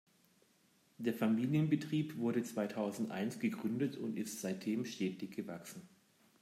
Der Familienbetrieb wurde zweitausendeins gegründet und ist seitdem stetig gewachsen.